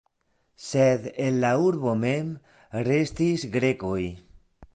Sed en la urbo mem restis grekoj.